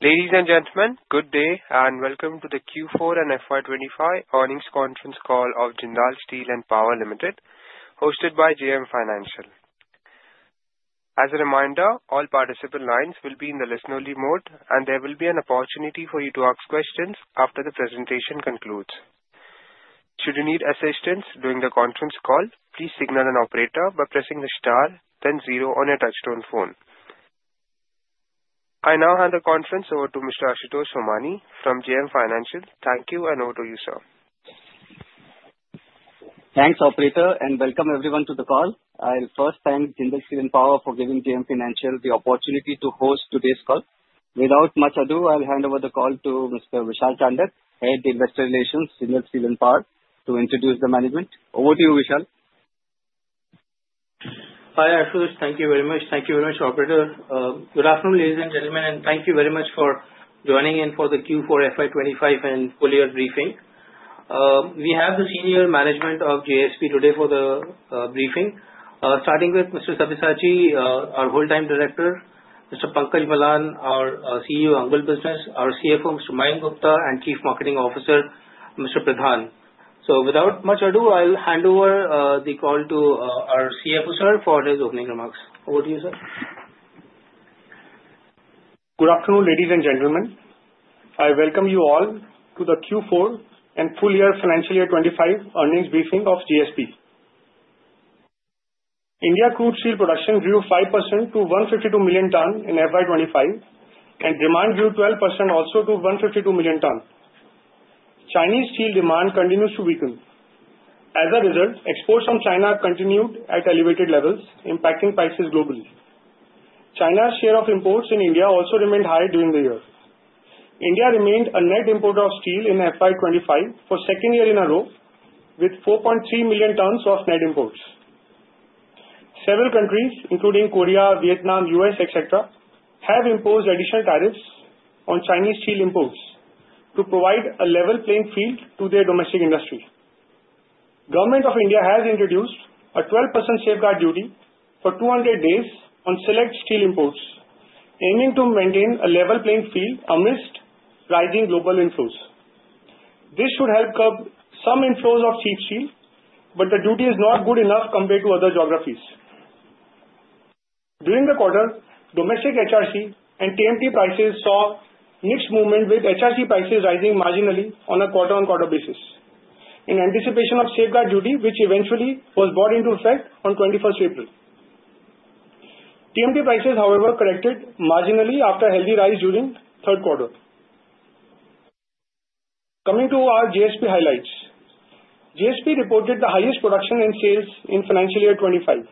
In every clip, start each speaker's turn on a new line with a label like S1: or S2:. S1: Ladies and gentlemen, good day and welcome to the Q4 and FY 2025 Earnings Conference Call of Jindal Steel and Power Limited, hosted by JM Financial. As a reminder, all participant lines will be in the listen-only mode, and there will be an opportunity for you to ask questions after the presentation concludes. Should you need assistance during the conference call, please signal an operator by pressing the star, then zero on your touch-tone phone. I now hand the conference over to Mr. Ashutosh Somani from JM Financial. Thank you, and over to you, sir.
S2: Thanks, Operator, and welcome everyone to the call. I'll first thank Jindal Steel and Power for giving JM Financial the opportunity to host today's call. Without much ado, I'll hand over the call to Mr. Vishal Chandak, Head of Investor Relations, Jindal Steel and Power, to introduce the management. Over to you, Vishal.
S3: Hi, Ashutosh. Thank you very much. Thank you very much, Operator. Good afternoon, ladies and gentlemen, and thank you very much for joining in for the Q4 FY 2025 and full-year briefing. We have the senior management of JSP today for the briefing, starting with Mr. Sabyasachi, our whole-time director; Mr. Pankaj Malhan, our CEO, Angul Business; our CFO, Mr. Mayank Gupta; and Chief Marketing Officer, Mr. Pradhan. So, without much ado, I'll hand over the call to our CFO, sir, for his opening remarks. Over to you, sir.
S4: Good afternoon, ladies and gentlemen. I welcome you all to the Q4 and full-year financial year 2025 earnings briefing of JSP. India crude steel production grew 5% to 152 million tons in FY 2025, and demand grew 12% also to 152 million tons. Chinese steel demand continues to weaken. As a result, exports from China continued at elevated levels, impacting prices globally. China's share of imports in India also remained high during the year. India remained a net importer of steel in FY 2025 for the second year in a row, with 4.3 million tons of net imports. Several countries, including Korea, Vietnam, the U.S., etc., have imposed additional tariffs on Chinese steel imports to provide a level playing field to their domestic industry. The Government of India has introduced a 12% safeguard duty for 200 days on select steel imports, aiming to maintain a level playing field amidst rising global inflows. This should help curb some inflows of cheap steel, but the duty is not good enough compared to other geographies. During the quarter, domestic HRC and TMT prices saw mixed movement, with HRC prices rising marginally on a quarter-on-quarter basis in anticipation of the safeguard duty, which eventually was brought into effect on the 21st of April. TMT prices, however, corrected marginally after a heavy rise during the third quarter. Coming to our JSP highlights, JSP reported the highest production and sales in financial year 2025.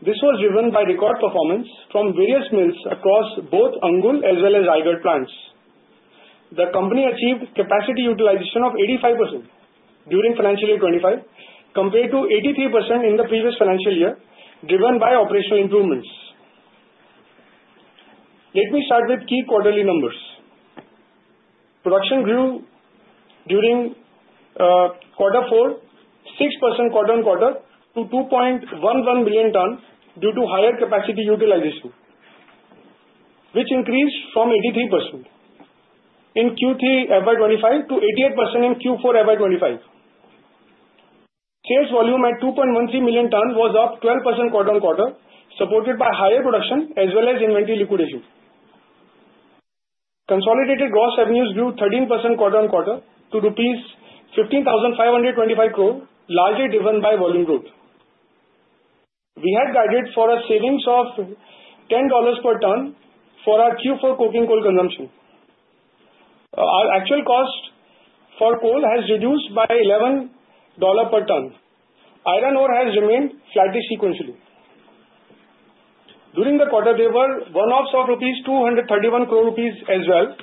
S4: This was driven by record performance from various mills across both Angul as well as Raigarh plants. The company achieved capacity utilization of 85% during financial year 2025, compared to 83% in the previous financial year, driven by operational improvements. Let me start with key quarterly numbers. Production grew during quarter four 6% quarter-on-quarter to 2.11 million tons due to higher capacity utilization, which increased from 83% in Q3 FY 2025 to 88% in Q4 FY 2025. Sales volume at 2.13 million tons was up 12% quarter-on-quarter, supported by higher production as well as inventory liquidation. Consolidated gross revenues grew 13% quarter-on-quarter to rupees 15,525 crore, largely driven by volume growth. We had guided for a savings of $10 per ton for our Q4 coking coal consumption. Our actual cost for coal has reduced by $11 per ton. Iron ore has remained flat sequentially. During the quarter, there were one-offs of 231 crore rupees as well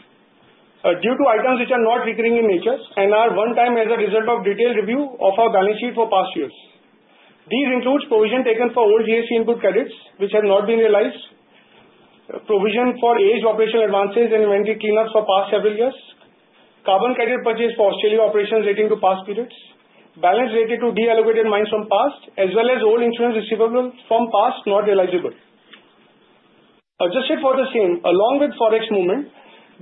S4: due to items which are not recurring in nature and are one-time as a result of detailed review of our balance sheet for past years. These include provision taken for old JSP input credits, which have not been realized. Provision for aged operational advances and inventory cleanups for past several years. Carbon credit purchase for Australia operations relating to past periods. Balance related to deallocated mines from past. As well as old insurance receivables from past not realizable. Adjusted for the same, along with forex movement,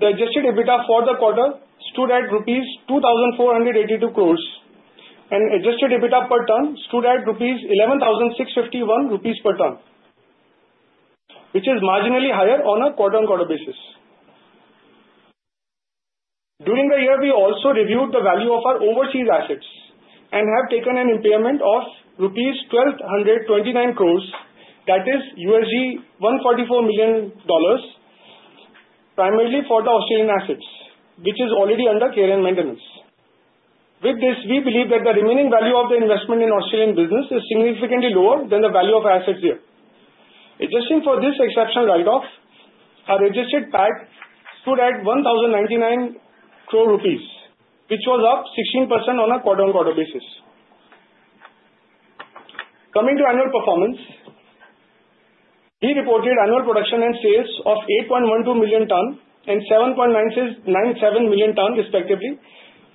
S4: the adjusted EBITDA for the quarter stood at rupees 2,482 crore, and adjusted EBITDA per ton stood at 11,651 rupees per ton, which is marginally higher on a quarter-on-quarter basis. During the year, we also reviewed the value of our overseas assets and have taken an impairment of rupees 1,229 crore, that is $144 million, primarily for the Australian assets, which is already under care and maintenance. With this, we believe that the remaining value of the investment in Australian business is significantly lower than the value of our assets here. Adjusting for this exceptional write-off, our adjusted PAT stood at 1,099 crore rupees, which was up 16% on a quarter-on-quarter basis. Coming to annual performance, we reported annual production and sales of 8.12 million ton and 7.997 million ton, respectively,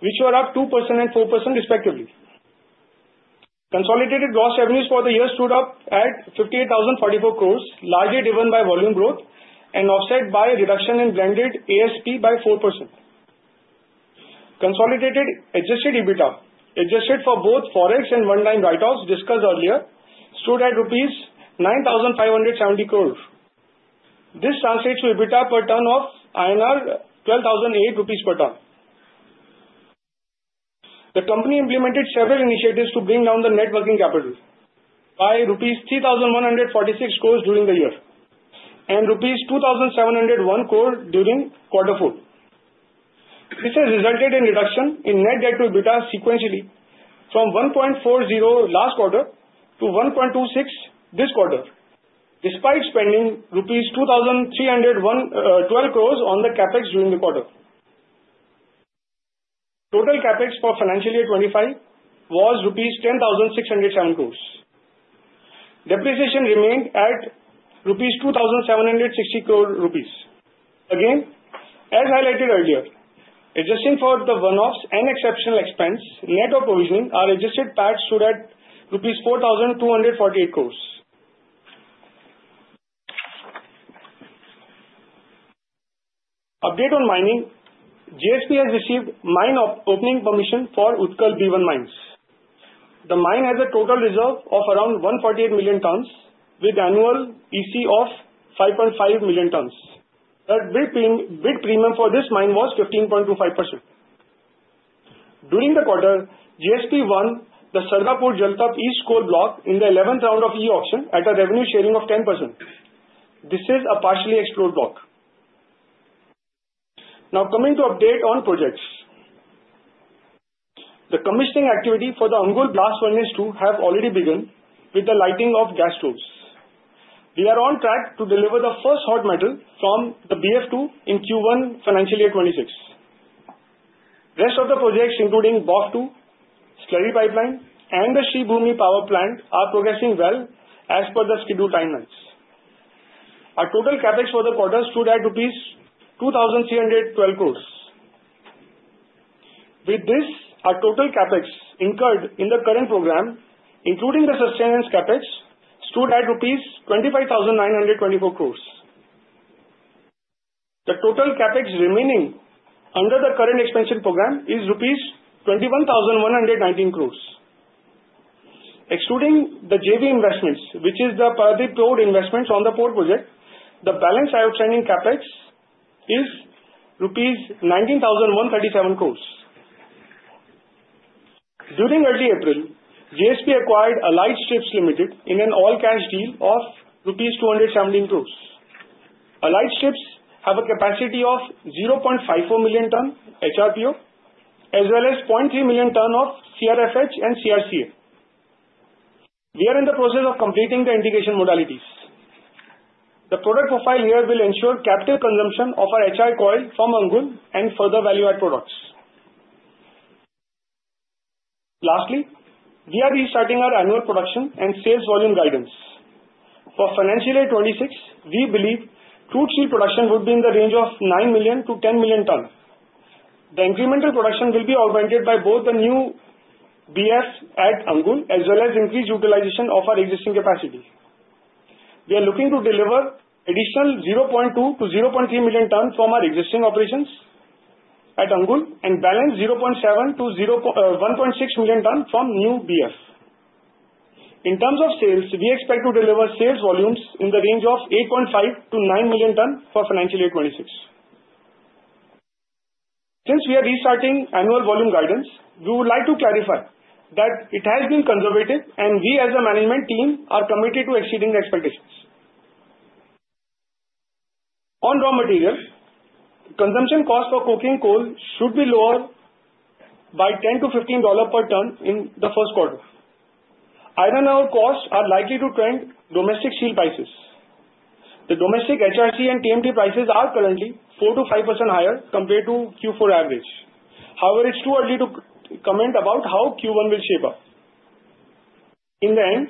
S4: which were up 2% and 4%, respectively. Consolidated gross revenues for the year stood up at 58,044 crore, largely driven by volume growth and offset by a reduction in blended ASP by 4%. Consolidated adjusted EBITDA, adjusted for both forex and one-time write-offs discussed earlier, stood at 9,570 crore rupees. This translates to EBITDA per ton of 12,008 rupees per ton. The company implemented several initiatives to bring down the net working capital by rupees 3,146 crore during the year and rupees 2,701 crore during quarter four. This has resulted in a reduction in net debt to EBITDA sequentially from 1.40 last quarter to 1.26 this quarter, despite spending rupees 2,312 crore on the CapEx during the quarter. Total CapEx for financial year 2025 was rupees 10,607 crore. Depreciation remained at 2,760 crore rupees. Again, as highlighted earlier, adjusting for the one-offs and exceptional expense, net or provisioning, our adjusted PAT stood at rupees 4,248 crore. Update on mining: JSP has received mine opening permission for Utkal B1 mines. The mine has a total reserve of around 148 million tons, with annual EC of 5.5 million tons. The bid premium for this mine was 15.25%. During the quarter, JSP won the Saradhapur Jaltap East Coal Block in the 11th round of e-auction at a revenue sharing of 10%. This is a partially explored block. Now, coming to update on projects, the commissioning activity for the Angul Blast Furnace II has already begun, with the lighting of gas stoves. We are on track to deliver the first hot metal from the BF2 in Q1 financial year 2026. The rest of the projects, including BOF2, slurry pipeline, and the Shubhalakshmi Power Plant, are progressing well as per the scheduled timelines. Our total CapEx for the quarter stood at rupees 2,312 crore. With this, our total CapEx incurred in the current program, including the sustenance CapEx, stood at rupees 25,924 crores. The total CapEx remaining under the current expansion program is rupees 21,119 crores. Excluding the JV investments, which are the Paradip Port Investments on the port project, the balance outstanding CapEx is rupees 19,137 crore. During early April, JSP acquired Allied Strips Limited in an all-cash deal of rupees 217 crores. Allied Strips have a capacity of 0.54 million tons HRPO, as well as 0.3 million tons of CRFH and CRCA. We are in the process of completing the integration modalities. The product profile here will ensure captive consumption of our HR coil from Angul and further value-add products. Lastly, we are restarting our annual production and sales volume guidance. For financial year 2026, we believe crude steel production would be in the range of 9 million-10 million tons. The incremental production will be augmented by both the new BF at Angul as well as increased utilization of our existing capacity. We are looking to deliver additional 0.2-0.3 million tons from our existing operations at Angul and balance 0.7-1.6 million tons from new BF. In terms of sales, we expect to deliver sales volumes in the range of 8.5-9 million tons for financial year 2026. Since we are restarting annual volume guidance, we would like to clarify that it has been conservative, and we as a management team are committed to exceeding the expectations. On raw material, consumption cost for coking coal should be lower by $10-$15 per ton in the first quarter. Iron ore costs are likely to trend domestic steel prices. The domestic HRC and TMT prices are currently 4%-5% higher compared to Q4 average. However, it's too early to comment about how Q1 will shape up. In the end,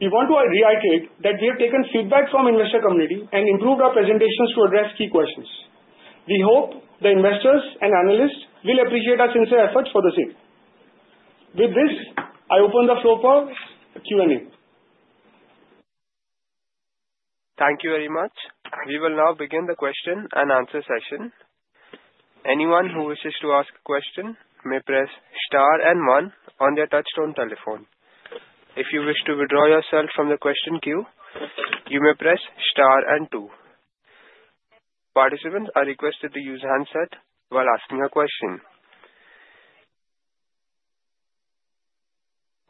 S4: we want to reiterate that we have taken feedback from the investor community and improved our presentations to address key questions. We hope the investors and analysts will appreciate our sincere efforts for the same. With this, I open the floor for Q&A.
S1: Thank you very much. We will now begin the question and answer session. Anyone who wishes to ask a question may press star and one on their touch-tone telephone. If you wish to withdraw yourself from the question queue, you may press star and two. Participants are requested to use handset while asking a question.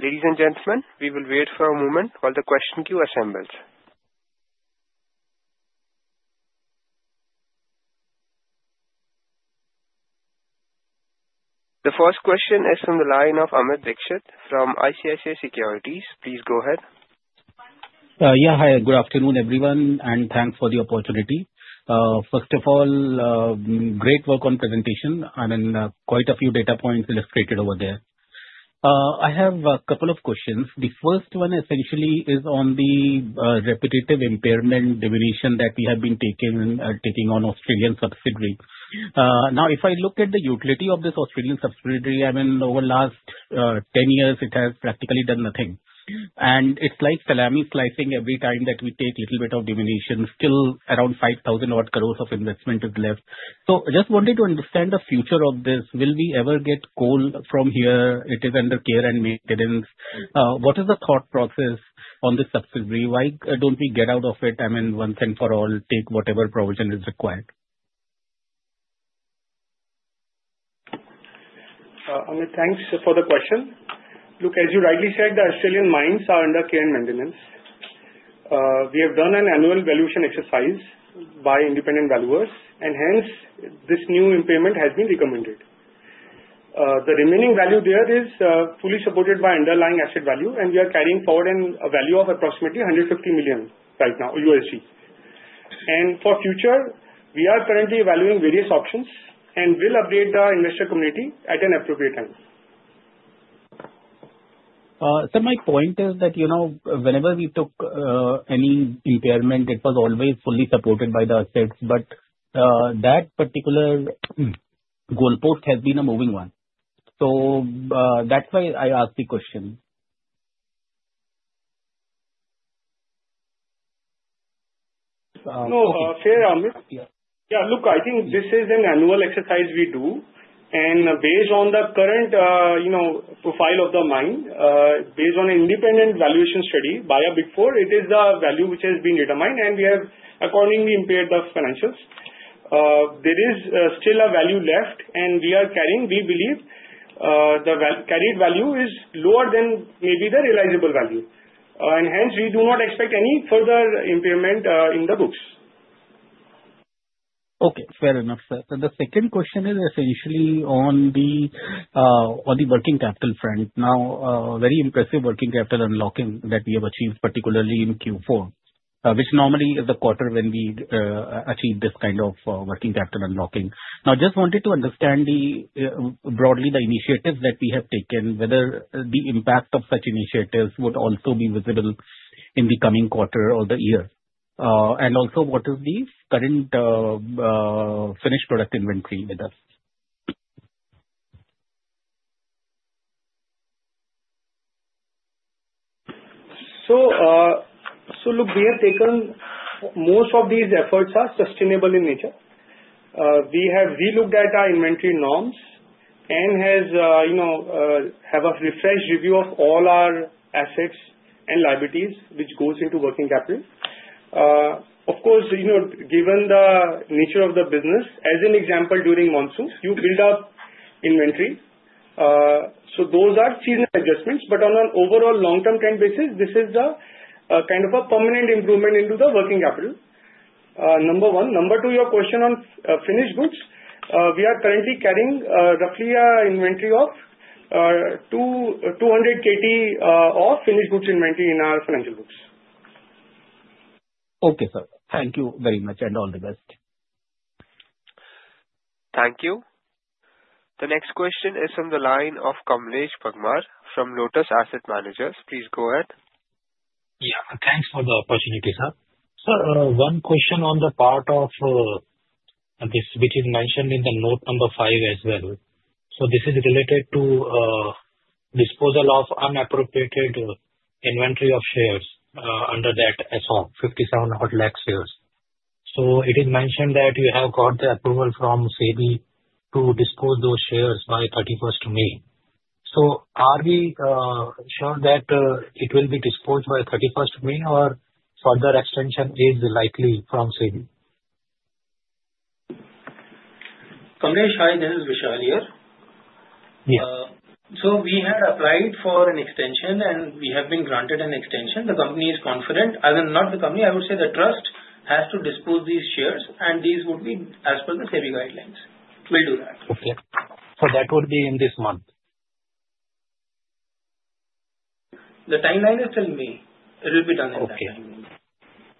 S1: Ladies and gentlemen, we will wait for a moment while the question queue assembles. The first question is from the line of Amit Dixit from ICICI Securities. Please go ahead.
S5: Yeah, hi. Good afternoon, everyone, and thanks for the opportunity. First of all, great work on presentation. And then quite a few data points illustrated over there. I have a couple of questions. The first one essentially is on the repetitive impairment deviation that we have been taking on Australian subsidiaries. Now, if I look at the utility of this Australian subsidiary, I mean, over the last 10 years, it has practically done nothing. And it's like salami slicing every time that we take a little bit of deviation. Still, around 5,000-odd crores of investment is left. So I just wanted to understand the future of this. Will we ever get coal from here? It is under care and maintenance. What is the thought process on this subsidiary? Why don't we get out of it, I mean, once and for all, take whatever provision is required?
S4: Amit, thanks for the question. Look, as you rightly said, the Australian mines are under care and maintenance. We have done an annual valuation exercise by independent valuers, and hence, this new impairment has been recommended. The remaining value there is fully supported by underlying asset value, and we are carrying forward a value of approximately $150 million right now, USD, and for the future, we are currently evaluating various options and will update the investor community at an appropriate time.
S5: Sir, my point is that whenever we took any impairment, it was always fully supported by the assets. But that particular goalpost has been a moving one. So that's why I asked the question.
S4: No, fair, Amit. Yeah, look, I think this is an annual exercise we do. And based on the current profile of the mine, based on an independent valuation study by a Big Four, it is the value which has been determined, and we have accordingly impaired the financials. There is still a value left, and we are carrying, we believe, the carried value is lower than maybe the realizable value. And hence, we do not expect any further impairment in the books.
S5: Okay, fair enough, sir. And the second question is essentially on the working capital front. Now, very impressive working capital unlocking that we have achieved, particularly in Q4, which normally is the quarter when we achieve this kind of working capital unlocking. Now, I just wanted to understand broadly the initiatives that we have taken, whether the impact of such initiatives would also be visible in the coming quarter or the year. And also, what is the current finished product inventory with us?
S4: So look, we have taken most of these efforts are sustainable in nature. We have relooked at our inventory norms and have a refreshed review of all our assets and liabilities which go into working capital. Of course, given the nature of the business, as an example, during monsoons, you build up inventory. So those are seasonal adjustments. But on an overall long-term trend basis, this is the kind of a permanent improvement into the working capital. Number one. Number two, your question on finished goods, we are currently carrying roughly an inventory of 200 kt of finished goods inventory in our financial books.
S5: Okay, sir. Thank you very much and all the best.
S1: Thank you. The next question is from the line of Kamlesh Bagmar from Lotus Asset Managers. Please go ahead.
S6: Yeah, thanks for the opportunity, sir. Sir, one question on the part of this which is mentioned in the note number five as well. So this is related to disposal of unappropriated inventory of shares under that ESOP, 57-odd lakh shares. So it is mentioned that you have got the approval from SEBI to dispose those shares by 31st May. So are we sure that it will be disposed by 31st May, or further extension is likely from SEBI?
S3: Kamlesh, hi, this is Vishal here.
S6: Yes.
S3: So we had applied for an extension, and we have been granted an extension. The company is confident. I mean, not the company, I would say the trust has to dispose these shares, and these would be as per the SEBI guidelines. We'll do that.
S6: Okay, so that would be in this month?
S3: The timeline is till May. It will be done in that timeline.
S6: Okay.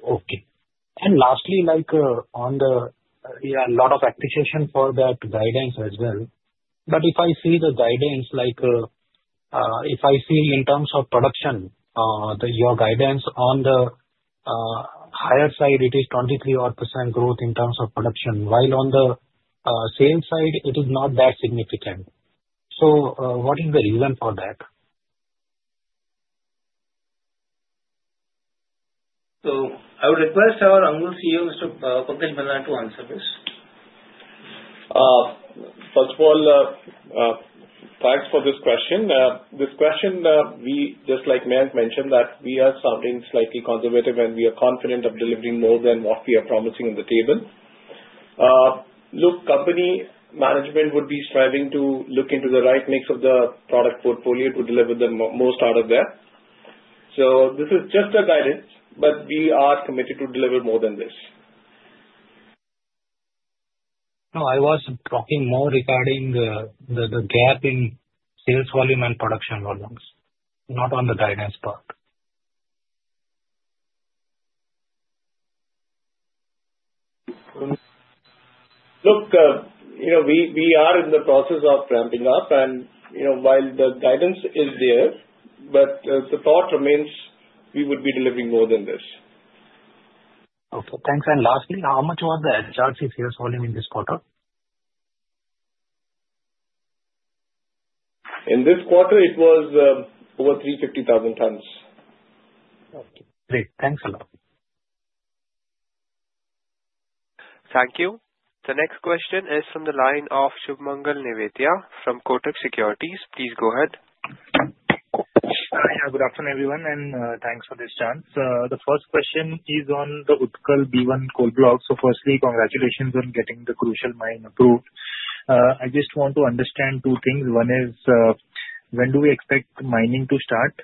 S6: Okay. And lastly, on the, yeah, a lot of appreciation for that guidance as well. But if I see the guidance, if I see in terms of production, your guidance on the higher side, it is 23-odd% growth in terms of production, while on the sales side, it is not that significant. So what is the reason for that?
S3: I would request our Angul CEO, Mr. Pankaj Malhan, to answer this.
S7: First of all, thanks for this question. This question, just like Mayank mentioned, that we are sounding slightly conservative, and we are confident of delivering more than what we are promising on the table. Look, company management would be striving to look into the right mix of the product portfolio to deliver the most out of that. So this is just a guidance, but we are committed to deliver more than this.
S6: No, I was talking more regarding the gap in sales volume and production volumes, not on the guidance part.
S7: Look, we are in the process of ramping up, and while the guidance is there, but the thought remains we would be delivering more than this.
S6: Okay, thanks. And lastly, how much was the HRC sales volume in this quarter?
S7: In this quarter, it was over 350,000 tons.
S6: Okay. Great. Thanks a lot.
S1: Thank you. The next question is from the line of Sumangal Nevatia from Kotak Securities. Please go ahead.
S8: Yeah, good afternoon, everyone, and thanks for this chance. The first question is on the Utkal B1 coal block. So firstly, congratulations on getting the crucial mine approved. I just want to understand two things. One is, when do we expect mining to start?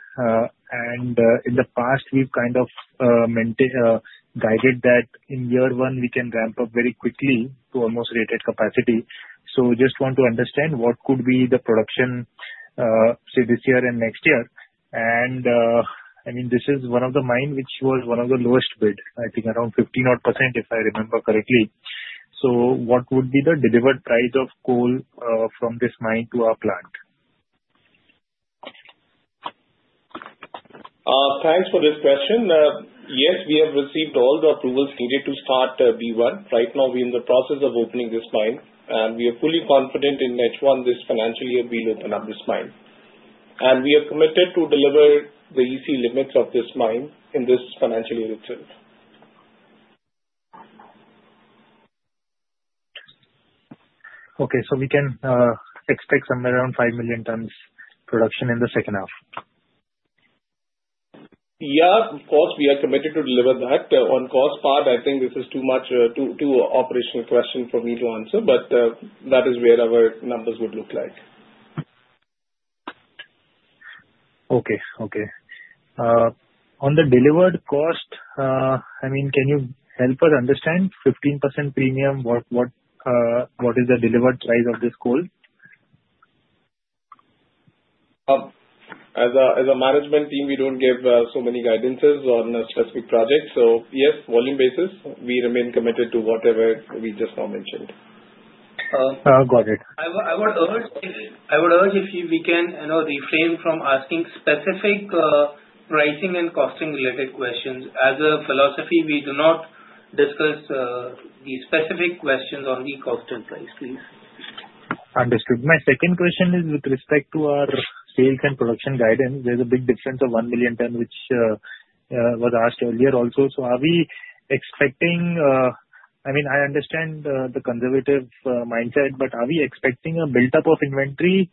S8: And in the past, we've kind of guided that in year one, we can ramp up very quickly to almost rated capacity. So just want to understand what could be the production, say, this year and next year. And I mean, this is one of the mines which was one of the lowest bid, I think around 15-odd%, if I remember correctly. So what would be the delivered price of coal from this mine to our plant?
S7: Thanks for this question. Yes, we have received all the approvals needed to start B1. Right now, we are in the process of opening this mine, and we are fully confident in H1 this financial year we'll open up this mine, and we are committed to deliver the EC limits of this mine in this financial year itself.
S8: Okay, so we can expect somewhere around five million tons production in the second half.
S7: Yeah, of course, we are committed to deliver that. On cost part, I think this is too much of a operational question for me to answer, but that is where our numbers would look like.
S8: Okay, okay. On the delivered cost, I mean, can you help us understand 15% premium? What is the delivered price of this coal?
S7: As a management team, we don't give so many guidances on specific projects. So yes, volume basis, we remain committed to whatever we just now mentioned.
S8: Got it.
S3: I would urge if we can refrain from asking specific pricing and costing-related questions. As a philosophy, we do not discuss the specific questions on the cost and price, please.
S8: Understood. My second question is with respect to our sales and production guidance. There's a big difference of 1 million ton, which was asked earlier also. So are we expecting, I mean, I understand the conservative mindset, but are we expecting a build-up of inventory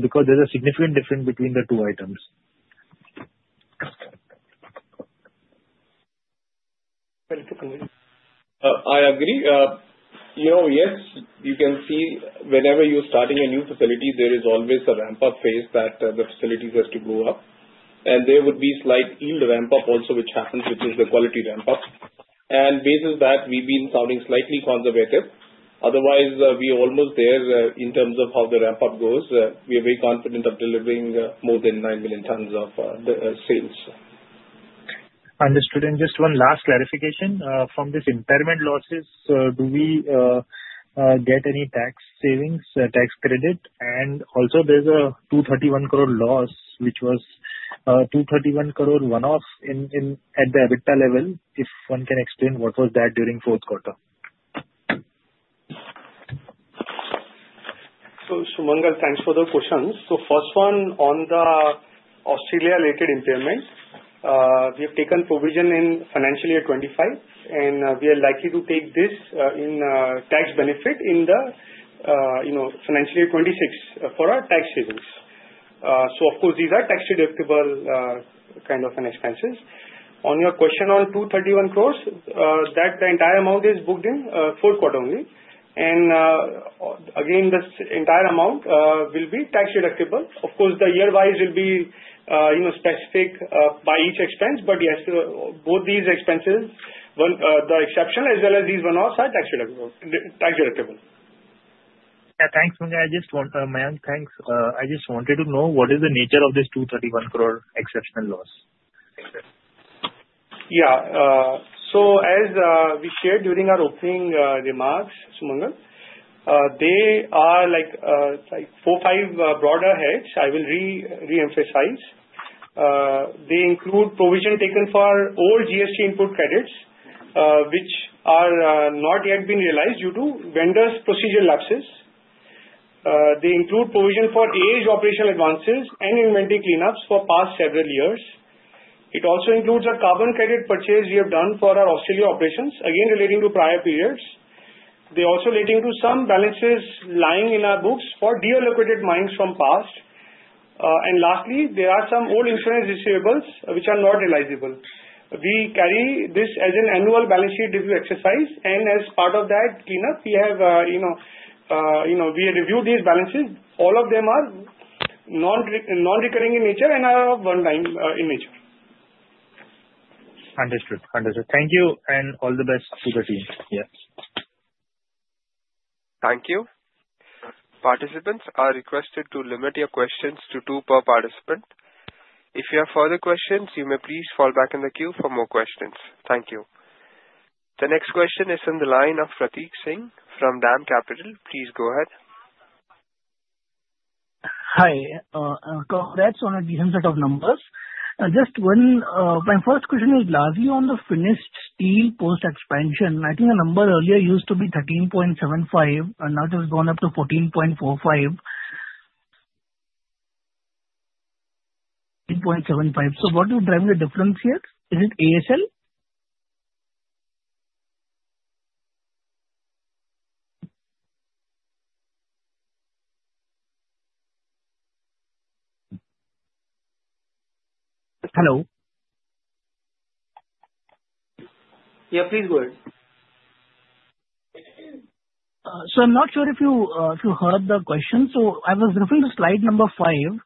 S8: because there's a significant difference between the two items?
S7: I agree. Yes, you can see whenever you're starting a new facility, there is always a ramp-up phase that the facility has to go up, and there would be slight yield ramp-up also, which happens, which is the quality ramp-up, and based on that, we've been sounding slightly conservative. Otherwise, we're almost there in terms of how the ramp-up goes. We are very confident of delivering more than nine million tons of sales.
S8: Understood. And just one last clarification from this impairment losses, do we get any tax savings, tax credit? And also, there's a 231-odd crore loss, which was 231-odd crore one-off at the EBITDA level. If one can explain what was that during the fourth quarter.
S4: So, Shubh Mangal, thanks for the questions. First one, on the Australia-related impairment, we have taken provision in financial year 2025, and we are likely to take this in tax benefit in the financial year 2026 for our tax savings. Of course, these are tax-deductible kind of expenses. On your question on 231 crores, that entire amount is booked in fourth quarter only. Again, this entire amount will be tax-deductible. Of course, the year-wise will be specific by each expense, but yes, both these expenses, the Australian as well as these one-offs are tax-deductible.
S8: Yeah, thanks, Mahesh. I just wanted to know what is the nature of this 231 crores exceptional loss?
S4: Yeah. So as we shared during our opening remarks, Shubh Mangal, they are like four, five broader heads. I will re-emphasize. They include provision taken for old GST input credits, which are not yet being realized due to vendors' procedural lapses. They include provision for aged operational advances and inventory cleanups for past several years. It also includes a carbon credit purchase we have done for our Australia operations, again relating to prior periods. They are also relating to some balances lying in our books for deallocated mines from past. And lastly, there are some old insurance receivables which are not realizable. We carry this as an annual balance sheet review exercise, and as part of that cleanup, we have reviewed these balances. All of them are non-recurring in nature and are of one-time in nature.
S8: Understood. Understood. Thank you, and all the best to the team. Yeah.
S1: Thank you. Participants are requested to limit your questions to two per participant. If you have further questions, you may please fall back in the queue for more questions. Thank you. The next question is from the line of Prateek Singh from DAM Capital. Please go ahead.
S9: Hi. Congrats on the good set of numbers. Just my first question is largely on the finished steel post-expansion. I think the number earlier used to be 13.75, and now it has gone up to 14.45. 14.75. So what is driving the difference here? Is it ASL? Hello?
S1: Yeah, please go ahead.
S9: I'm not sure if you heard the question. I was looking at slide number five,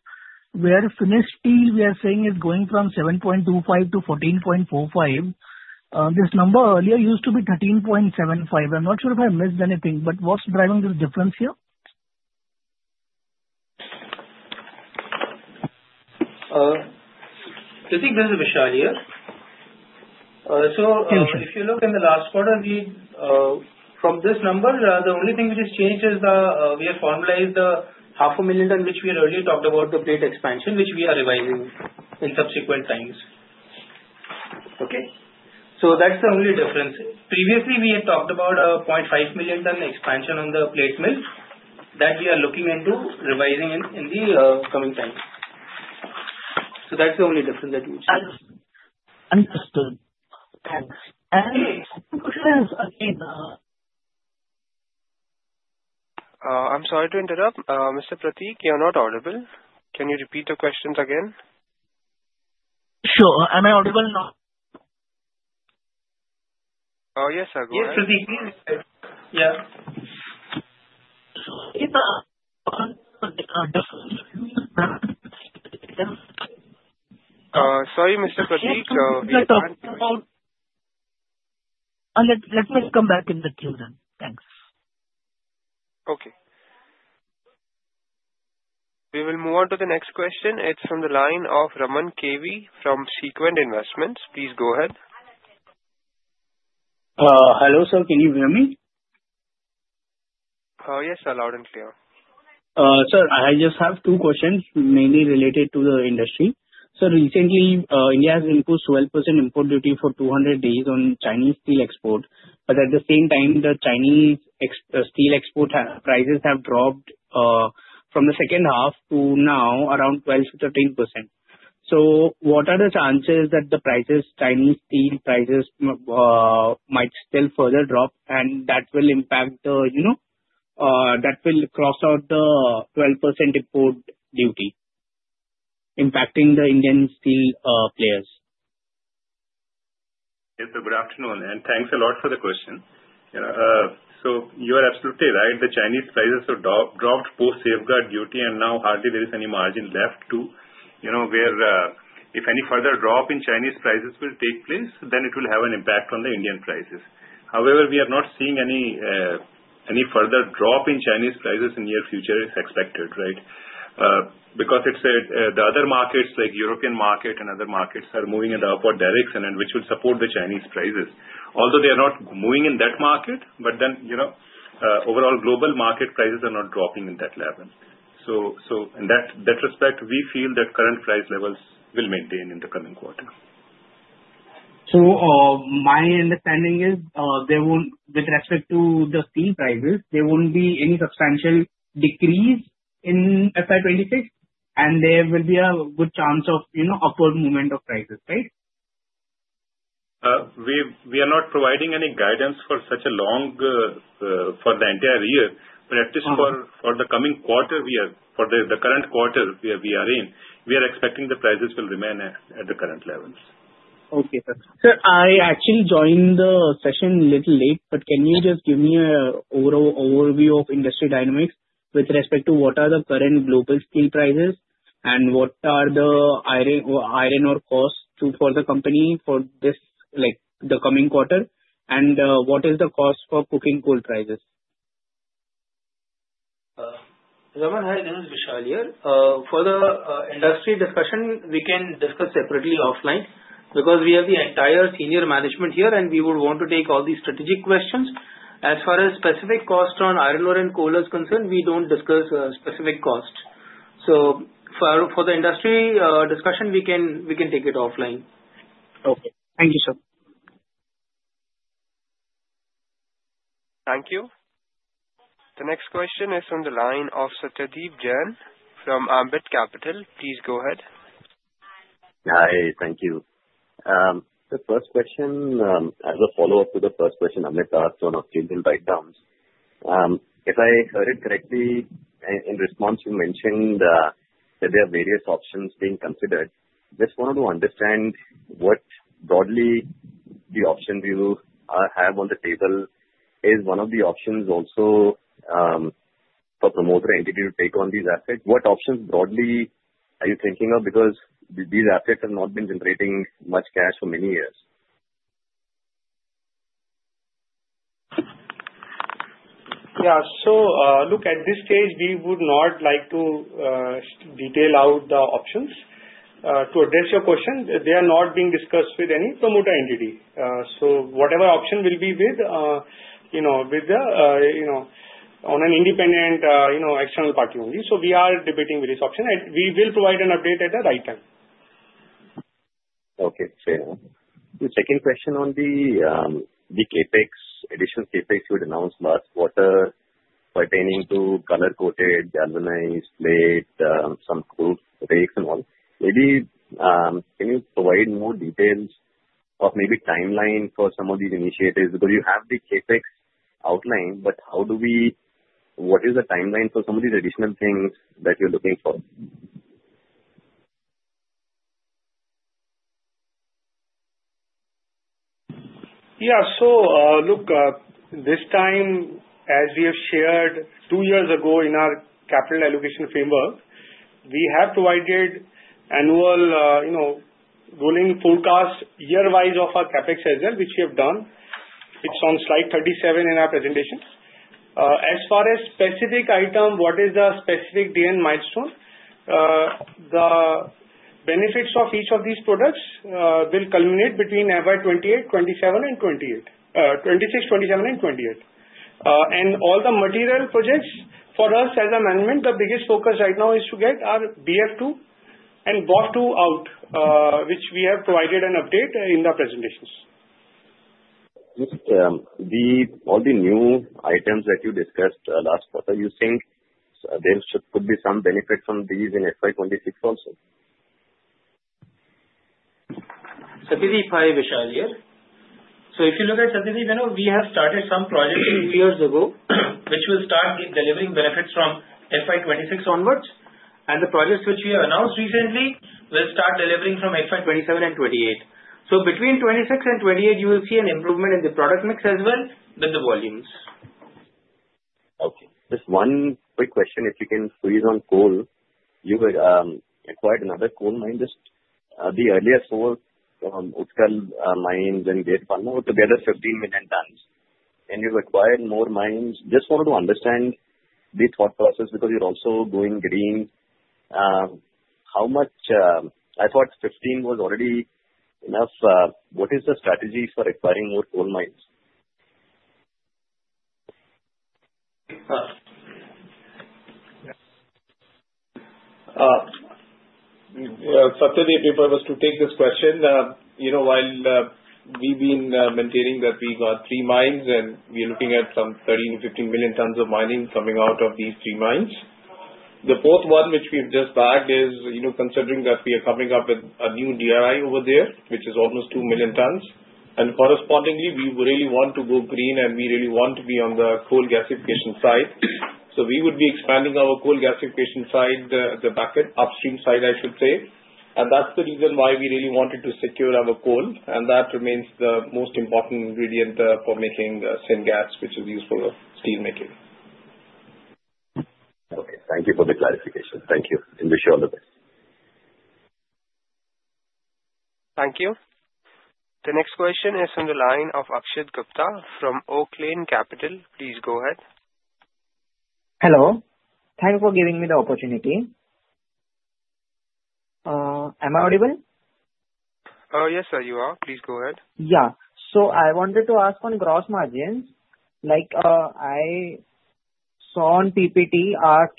S9: where finished steel, we are saying, is going from 7.25 to 14.45. This number earlier used to be 13.75. I'm not sure if I missed anything, but what's driving this difference here?
S3: I think this is Vishal here. So if you look in the last quarter, from this number, the only thing which has changed is we have formalized the 0.5 million ton, which we had earlier talked about, the plate expansion, which we are revising in subsequent times.
S9: Okay?
S3: So that's the only difference. Previously, we had talked about a 0.5 million ton expansion on the plate mill that we are looking into revising in the coming time. So that's the only difference that we see.
S9: Understood. And the question is again.
S1: I'm sorry to interrupt. Mr. Prateek, you're not audible. Can you repeat the questions again?
S9: Sure. Am I audible now?
S1: Yes, sir. Go ahead.
S10: Yes, Prateek.
S9: Yeah.
S1: Sorry, Mr. Prateek.
S9: Let me come back in the queue then. Thanks.
S1: Okay. We will move on to the next question. It's from the line of Raman KV from Sequent Investments. Please go ahead.
S11: Hello, sir. Can you hear me?
S1: Yes, sir. Loud and clear.
S11: Sir, I just have two questions, mainly related to the industry, so recently, India has imposed 12% import duty for 200 days on Chinese steel export, but at the same time, the Chinese steel export prices have dropped from the second half to now around 12%-13%, so what are the chances that the Chinese steel prices might still further drop, and that will impact the, that will cross out the 12% import duty, impacting the Indian steel players?
S12: Yes, sir. Good afternoon, and thanks a lot for the question. So you are absolutely right. The Chinese prices have dropped post-safeguard duty, and now hardly there is any margin left to where if any further drop in Chinese prices will take place, then it will have an impact on the Indian prices. However, we are not seeing any further drop in Chinese prices in the near future; it's expected, right? Because it's the other markets, like the European market and other markets, are moving at the upward direction, which will support the Chinese prices. Although they are not moving in that market, but then overall global market prices are not dropping in that level. So in that respect, we feel that current price levels will maintain in the coming quarter.
S11: So my understanding is, with respect to the steel prices, there won't be any substantial decrease in FY 2026, and there will be a good chance of upward movement of prices, right?
S12: We are not providing any guidance for such a long term for the entire year, but at least for the coming quarter, for the current quarter we are in, we are expecting the prices will remain at the current levels.
S11: Okay. Sir, I actually joined the session a little late, but can you just give me an overview of industry dynamics with respect to what are the current global steel prices and what are the iron ore costs for the company for the coming quarter? And what is the cost for coking coal prices?
S3: Raman, hi. This is Vishal here. For the industry discussion, we can discuss separately offline because we have the entire senior management here, and we would want to take all the strategic questions. As far as specific costs on iron ore and coal are concerned, we don't discuss specific costs. So for the industry discussion, we can take it offline.
S11: Okay. Thank you, sir.
S1: Thank you. The next question is from the line of Satyadeep Jain from Ambit Capital. Please go ahead.
S13: Hi. Thank you. The first question, as a follow-up to the first question Amit asked on Australian breakdowns, if I heard it correctly, in response, you mentioned that there are various options being considered. Just wanted to understand what broadly the options you have on the table. Is one of the options also for a promoter entity to take on these assets? What options broadly are you thinking of? Because these assets have not been generating much cash for many years.
S4: Yeah. So look, at this stage, we would not like to detail out the options. To address your question, they are not being discussed with any promoter entity. So whatever option will be with the on an independent external party only. So we are debating various options. We will provide an update at the right time.
S13: Okay. Fair. The second question on the CapEx, additional CapEx you had announced last quarter pertaining to color coated, galvanized, plate, some coal rakes and all. Maybe can you provide more details of maybe timeline for some of these initiatives? Because you have the CapEx outline, but how do we what is the timeline for some of these additional things that you're looking for?
S4: Yeah. So look, this time, as we have shared two years ago in our capital allocation framework, we have provided annual rolling forecast year-wise of our CapEx as well, which we have done. It's on slide 37 in our presentation. As far as specific item, what is the specific key milestone? The benefits of each of these products will culminate between FY 2026, 2027, and 2028. All the material projects, for us as a management, the biggest focus right now is to get our BF2 and BOF2 out, which we have provided an update in the presentations.
S13: All the new items that you discussed last quarter, you think there could be some benefit from these in FY 2026 also?
S3: Satyadeep, hi, Vishal here. If you look at Satyadeep, we have started some projects two years ago, which will start delivering benefits from FY 2026 onwards. The projects which we have announced recently will start delivering from FY 2027 and 2028. Between 2026 and 2028, you will see an improvement in the product mix as well with the volumes.
S13: Okay. Just one quick question. If you can squeeze on coal, you had acquired another coal mine. Just the earlier four Utkal mines and Gare Palma, together 15 million tons. And you've acquired more mines. Just wanted to understand the thought process because you're also going green. I thought 15 was already enough. What is the strategy for acquiring more coal mines?
S7: Satyadeep, if I was to take this question, while we've been maintaining that we got three mines and we are looking at some 13 million-15 million tons of mining coming out of these three mines, the fourth one, which we have just bagged, is considering that we are coming up with a new DRI over there, which is almost two million tons. Correspondingly, we really want to go green and we really want to be on the coal gasification side. We would be expanding our coal gasification side, the backup upstream side, I should say. That's the reason why we really wanted to secure our coal. That remains the most important ingredient for making SynGas, which is used for steel making.
S13: Okay. Thank you for the clarification. Thank you and wish you all the best.
S1: Thank you. The next question is from the line of Akshit Gupta from Oaklane Capital. Please go ahead.
S14: Hello. Thanks for giving me the opportunity. Am I audible?
S1: Yes, sir, you are. Please go ahead.
S14: Yeah. So I wanted to ask on gross margins. I saw on PPT,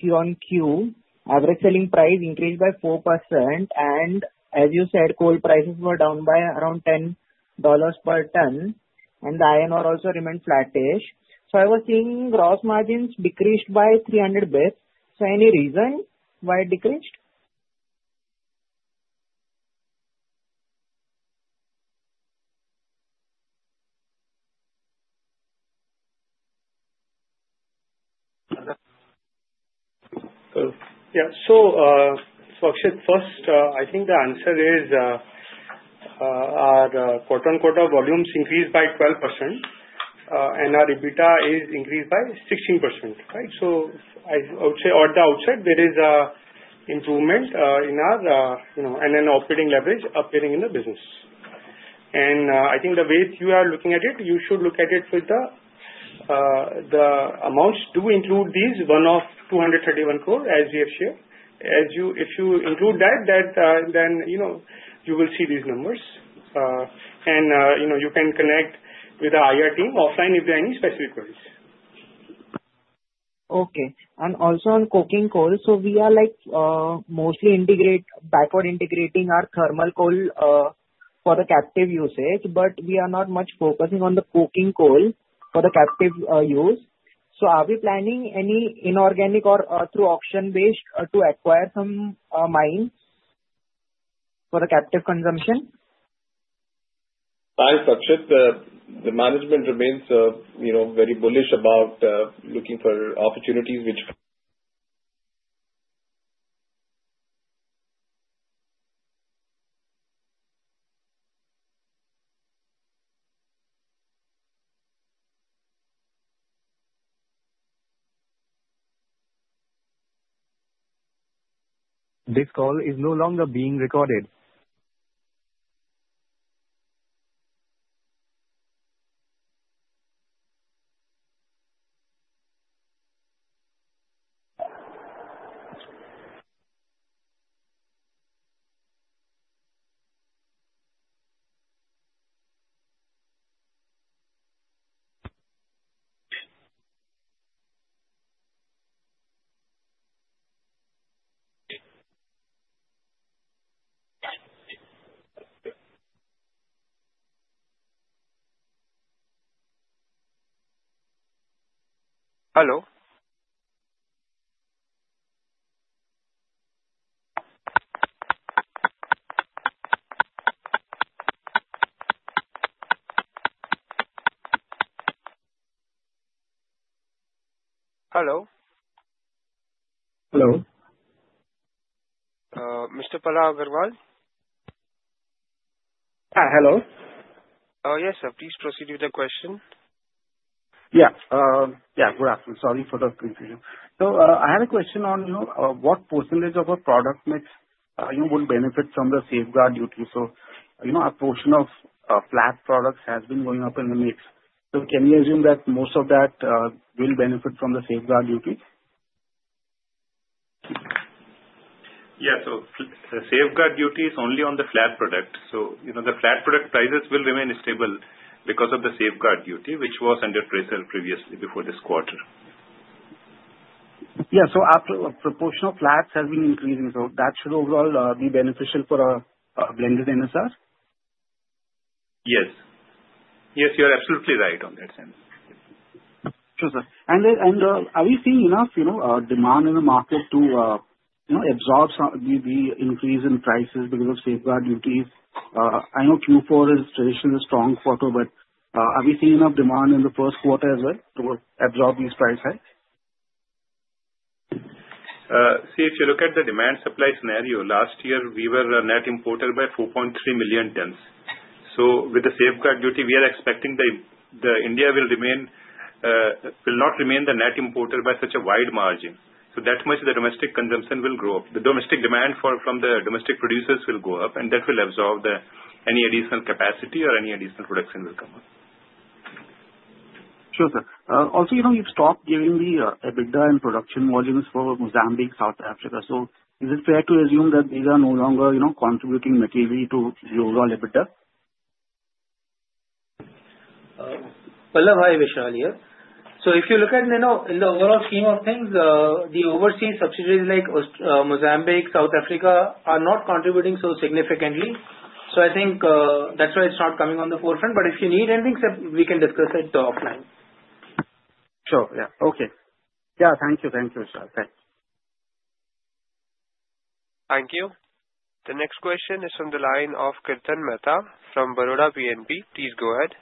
S14: QoQ, average selling price increased by 4%. And as you said, coal prices were down by around $10 per ton. And the iron ore also remained flattish. So I was seeing gross margins decreased by 300 basis points. So any reason why it decreased?
S4: Yeah. So Akshit, first, I think the answer is our quarter-on-quarter volumes increased by 12%. And our EBITDA is increased by 16%, right? So I would say on the outside, there is an improvement in our and an operating leverage appearing in the business. And I think the way you are looking at it, you should look at it with the amounts do include these one-off 231 crores, as we have shared. If you include that, then you will see these numbers. And you can connect with our IR team offline if there are any specific queries.
S14: Okay and also on coking coal, so we are mostly backward integrating our thermal coal for the captive usage, but we are not much focusing on the coking coal for the captive use, so are we planning any inorganic or through auction-based to acquire some mines for the captive consumption?
S7: Hi, Akshit. The management remains very bullish about looking for opportunities which.
S1: This call is no longer being recorded.
S15: Hello? Hello.
S1: Hello. Mr. Pallav Agarwal?
S15: Yeah. Hello.
S1: Yes, sir. Please proceed with the question.
S15: Yeah. Yeah. Good afternoon. Sorry for the confusion. So I had a question on what percentage of our product mix you would benefit from the safeguard duty. So a portion of flat products has been going up in the mix. So can you assume that most of that will benefit from the safeguard duty?
S12: Yeah. So the safeguard duty is only on the flat product. So the flat product prices will remain stable because of the safeguard duty, which was under tracer previously before this quarter.
S15: Yeah. So a proportion of flats has been increasing. So that should overall be beneficial for a blended NSR?
S12: Yes. Yes, you are absolutely right on that sense.
S15: Sure, sir. And are we seeing enough demand in the market to absorb the increase in prices because of safeguard duties? I know Q4 is traditionally a strong quarter, but are we seeing enough demand in the first quarter as well to absorb these price hikes?
S12: See, if you look at the demand-supply scenario, last year, we were a net importer by 4.3 million tons. So with the safeguard duty, we are expecting that India will not remain the net importer by such a wide margin. So that much the domestic consumption will grow up. The domestic demand from the domestic producers will go up, and that will absorb any additional capacity or any additional production will come up.
S15: Sure, sir. Also, you've stopped giving the EBITDA and production volumes for Mozambique, South Africa. So is it fair to assume that these are no longer contributing materially to the overall EBITDA?
S3: Pallav here, Vishal here. So if you look at the overall scheme of things, the overseas subsidiaries like Mozambique, South Africa are not contributing so significantly. So I think that's why it's not coming on the forefront. But if you need anything, we can discuss it offline.
S12: Sure. Yeah. Okay. Yeah. Thank you. Thank you, Vishal. Thanks.
S1: Thank you. The next question is from the line of Kirtan Mehta from Baroda BNP. Please go ahead.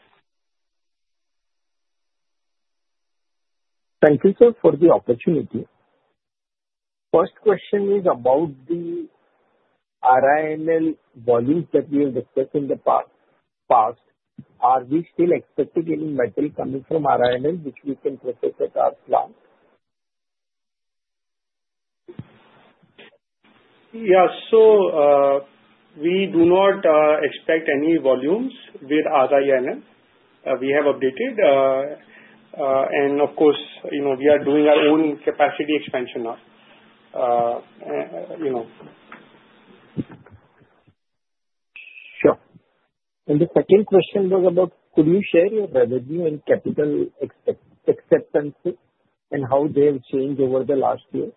S16: Thank you, sir, for the opportunity. First question is about the RINL volumes that we have discussed in the past. Are we still expecting any metal coming from RINL, which we can process at our plant?
S4: Yeah. So we do not expect any volumes with RINL. We have updated. And of course, we are doing our own capacity expansion now.
S16: Sure. And the second question was about, could you share your revenue and capital expenditures and how they have changed over the last year?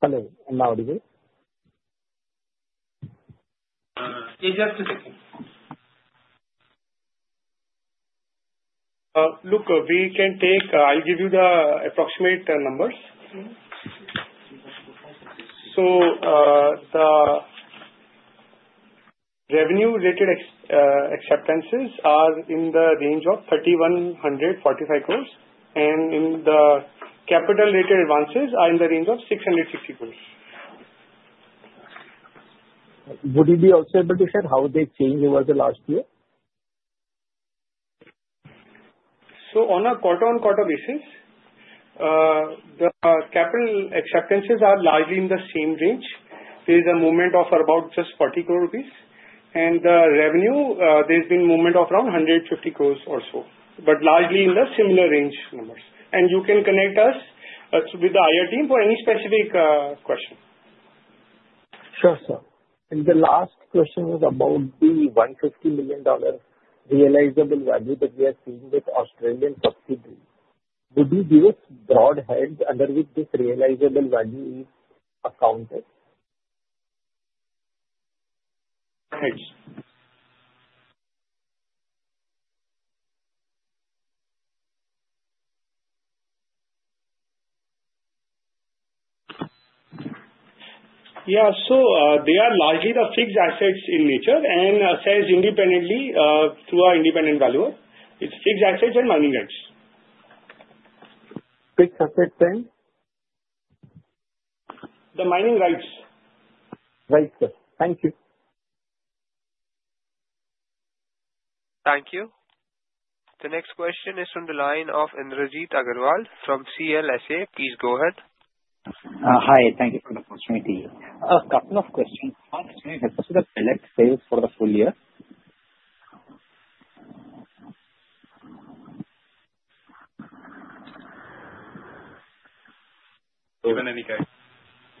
S16: Hello. Am I audible?
S4: Yeah. Just a second. Look, we can take. I'll give you the approximate numbers. So the revenue-related acceptances are in the range of 3,145 crores. And the capital-related advances are in the range of 660 crores.
S16: Would you be also able to share how they changed over the last year?
S4: On a quarter-on-quarter basis, the capital acceptances are largely in the same range. There is a movement of about just 40 crores rupees. The revenue, there's been movement of around 150 crores or so, but largely in the similar range numbers. You can connect us with the IR team for any specific question.
S16: Sure, sir, and the last question was about the $150 million realizable value that we are seeing with Australian subsidy. Would you give us broad heads under which this realizable value is accounted?
S4: Yes. Yeah. So they are largely the fixed assets in nature and sells independently through our independent valuer. It's fixed assets and mining rights.
S16: Fixed assets and?
S4: The mining rights.
S16: Right. Thank you.
S1: Thank you. The next question is from the line of Indrajit Agarwal from CLSA. Please go ahead.
S17: Hi. Thank you for the opportunity. A couple of questions. How much can you expect the pellet sales for the full year?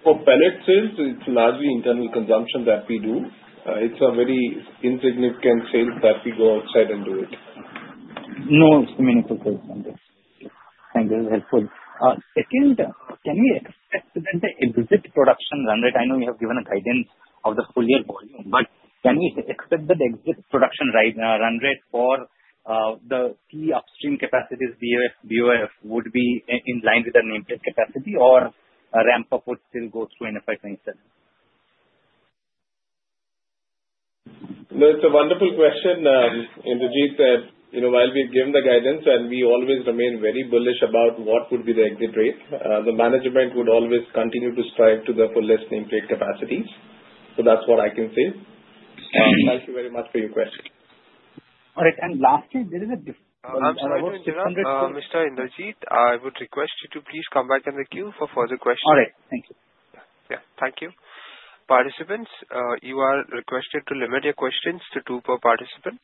S7: For pellet sales, it's largely internal consumption that we do. It's a very insignificant sales that we go outside and do it.
S17: No significant sales, thank you. Thank you. That's helpful. Second, can we expect the exit production run rate? I know you have given a guidance of the full year volume, but can we expect that exit production run rate for the key upstream capacities, BF, BOF, would be in line with the nameplate capacity, or ramp-up would still go through in FY 2027?
S7: No, it's a wonderful question, Indrajit, that while we have given the guidance and we always remain very bullish about what would be the exit rate, the management would always continue to strive to the fullest nameplate capacities. So that's what I can say. Thank you very much for your question.
S17: All right, and lastly, there is a difference.
S1: Mr. Indrajit, I would request you to please come back on the queue for further questions.
S17: All right. Thank you.
S1: Yeah. Thank you. Participants, you are requested to limit your questions to two per participant.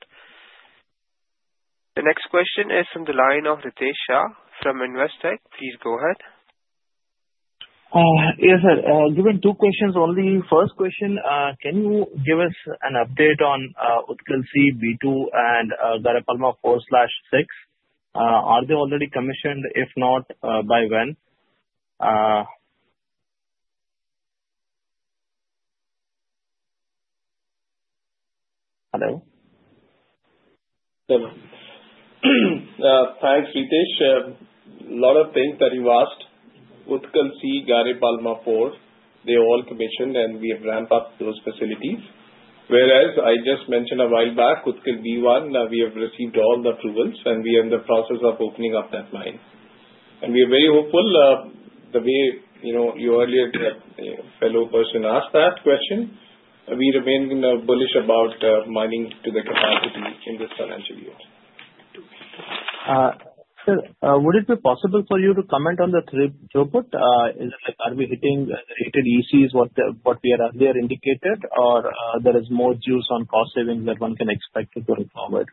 S1: The next question is from the line of Ritesh Shah from Investec. Please go ahead.
S18: Yes, sir. Given two questions only. First question, can you give us an update on Utkal B1, and Gare Palma IV/6? Are they already commissioned? If not, by when? Hello?
S7: Hello. Thanks, Ritesh. A lot of things that you've asked. Utkal C, Gare Palma IV/6, they're all commissioned, and we have ramped up those facilities. Whereas I just mentioned a while back, Utkal B1, we have received all the approvals, and we are in the process of opening up that mine. And we are very hopeful. The way your earlier fellow person asked that question, we remain bullish about mining to the capacity in this financial year.
S18: Sir, would it be possible for you to comment on the throughput? Are we hitting the rated ECs what we had earlier indicated, or there is more juice on cost savings that one can expect going forward?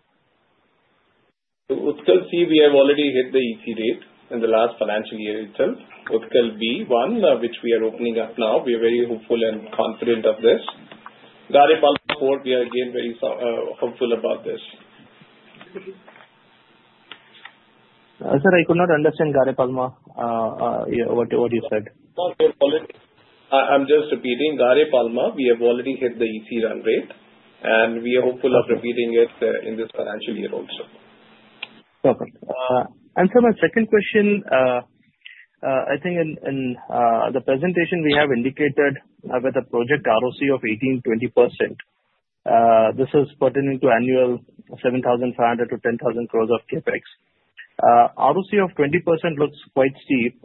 S7: Utkal C, we have already hit the EC rate in the last financial year itself. Utkal B1, which we are opening up now, we are very hopeful and confident of this. Gare Palma IV, we are again very hopeful about this.
S18: Sir, I could not understand Gare Palma what you said.
S7: I'm just repeating. Gare Palma, we have already hit the EC run rate, and we are hopeful of repeating it in this financial year also.
S18: Perfect. For my second question, I think in the presentation, we have indicated with a project ROC of 18%-20%. This is pertinent to annual 7,500-10,000 crores of CapEx. ROC of 20% looks quite steep,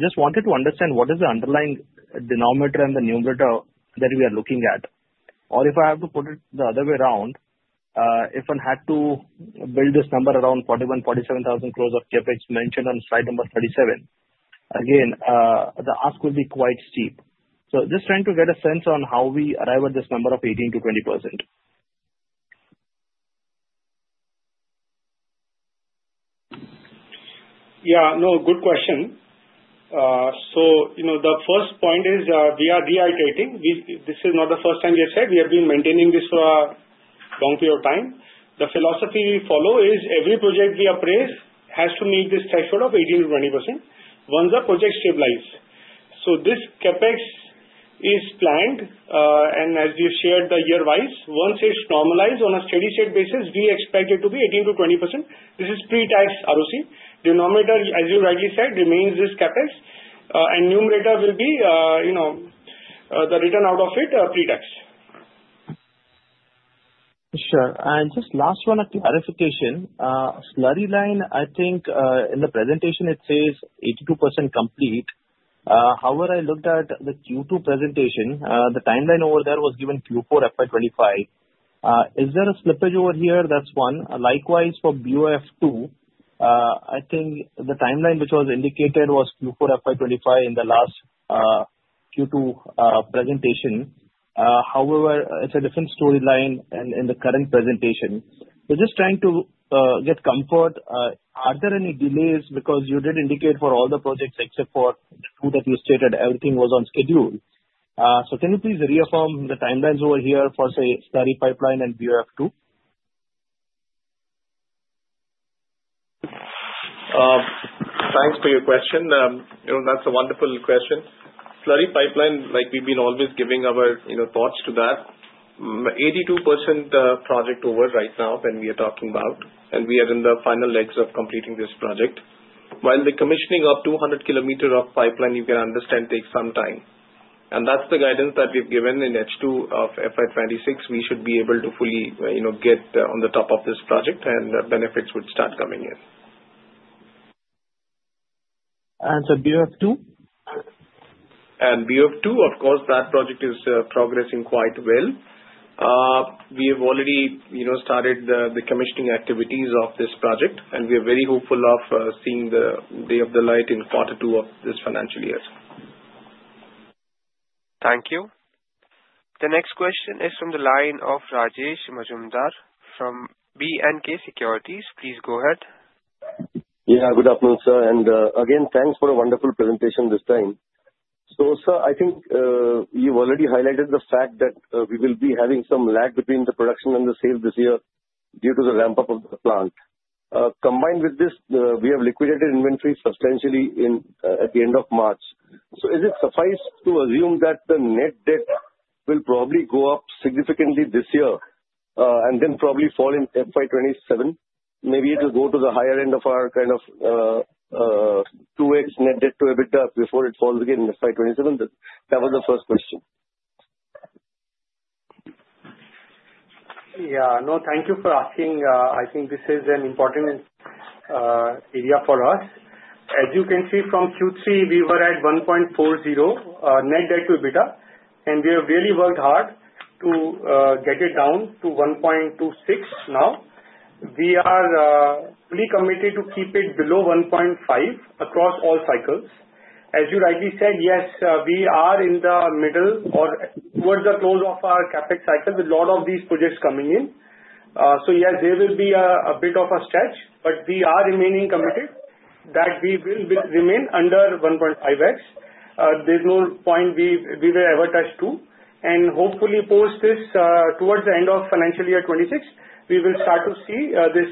S18: just wanted to understand what is the underlying denominator and the numerator that we are looking at, or if I have to put it the other way around, if one had to build this number around 41,000 crores-47,000 crores of CapEx mentioned on slide 37, again, the ask would be quite steep. Just trying to get a sense on how we arrive at this number of 18%-20%.
S4: Yeah. No, good question. So the first point is we are reiterating. This is not the first time we have said. We have been maintaining this for a long period of time. The philosophy we follow is every project we appraise has to meet this threshold of 18%-20% once the project stabilizes. So this CapEx is planned, and as you shared the year-wise, once it's normalized on a steady-state basis, we expect it to be 18%-20%. This is pre-tax ROCE. Denominator, as you rightly said, remains this CapEx, and numerator will be the return out of it pre-tax.
S18: Sure. And just last one, a clarification. slurry pipeline, I think in the presentation, it says 82% complete. However, I looked at the Q2 presentation. The timeline over there was given Q4 FY 2025. Is there a slippage over here? That's one. Likewise, for BOF2, I think the timeline which was indicated was Q4 FY 2025 in the last Q2 presentation. However, it's a different storyline in the current presentation. So just trying to get comfort, are there any delays? Because you did indicate for all the projects except for the two that you stated, everything was on schedule. So can you please reaffirm the timelines over here for, say, slurry pipeline and BOF2?
S7: Thanks for your question. That's a wonderful question. slurry pipeline, we've been always giving our thoughts to that. 82% project over right now when we are talking about, and we are in the final legs of completing this project. While the commissioning of 200 km of pipeline, you can understand, takes some time, and that's the guidance that we've given in H2 of FY 2026. We should be able to fully get on the top of this project, and benefits would start coming in.
S18: And for BOF2?
S7: BOF2, of course, that project is progressing quite well. We have already started the commissioning activities of this project, and we are very hopeful of seeing the light of day in quarter two of this financial year.
S1: Thank you. The next question is from the line of Rajesh Majumdar from B&K Securities. Please go ahead.
S19: Yeah. Good afternoon, sir, and again, thanks for a wonderful presentation this time, so sir, I think you've already highlighted the fact that we will be having some lag between the production and the sales this year due to the ramp-up of the plant. Combined with this, we have liquidated inventory substantially at the end of March, so is it sufficient to assume that the net debt will probably go up significantly this year and then probably fall in FY 2027? Maybe it will go to the higher end of our kind of 2x net debt to EBITDA before it falls again in FY 2027? That was the first question.
S4: Yeah. No, thank you for asking. I think this is an important area for us. As you can see from Q3, we were at 1.40 net debt to EBITDA, and we have really worked hard to get it down to 1.26 now. We are fully committed to keep it below 1.5 across all cycles. As you rightly said, yes, we are in the middle or towards the close of our CapEx cycle with a lot of these projects coming in. So yes, there will be a bit of a stretch, but we are remaining committed that we will remain under 1.5x. There's no point we will ever touch 2, and hopefully, post this, towards the end of financial year 2026, we will start to see this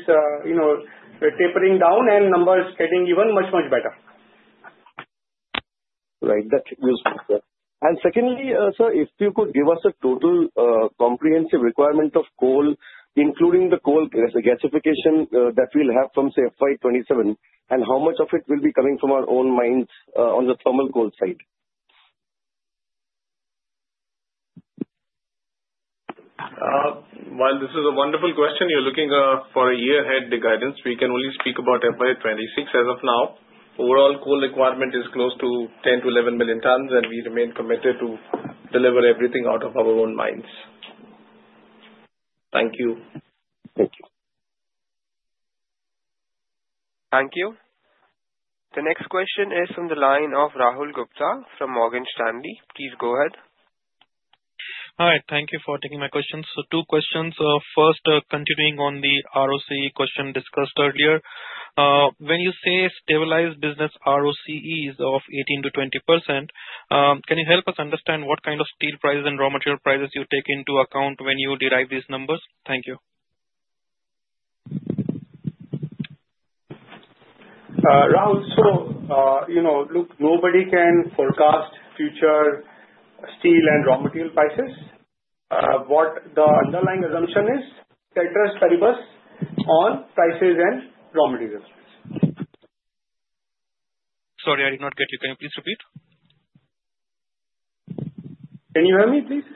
S4: tapering down and numbers getting even much, much better.
S19: Right. That's useful, sir. And secondly, sir, if you could give us a total comprehensive requirement of coal, including the coal gasification that we'll have from, say, FY 2027, and how much of it will be coming from our own mines on the thermal coal side?
S7: While this is a wonderful question, you're looking for a year-ahead guidance. We can only speak about FY 2026 as of now. Overall coal requirement is close to 10 million-11 million tons, and we remain committed to deliver everything out of our own mines. Thank you.
S19: Thank you.
S1: Thank you. The next question is from the line of Rahul Gupta from Morgan Stanley. Please go ahead.
S20: All right. Thank you for taking my questions. So two questions. First, continuing on the ROCE question discussed earlier. When you say stabilized business ROCEs of 18%-20%, can you help us understand what kind of steel prices and raw material prices you take into account when you derive these numbers? Thank you.
S4: Rahul, so look, nobody can forecast future steel and raw material prices. What the underlying assumption is, there is a base case on prices and raw materials.
S20: Sorry, I did not get you. Can you please repeat?
S4: Can you hear me, please?